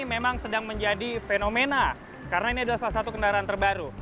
memang sedang menjadi fenomena karena ini adalah salah satu kendaraan terbaru